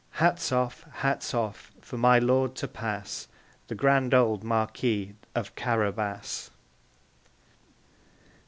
Hats off, hats off, for my lord to pass, The grand old Marquis of Carabas!